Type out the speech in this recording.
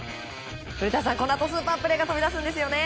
古田さん、このあとスーパープレー飛び出しますね。